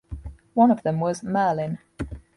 One of them was "Merlin".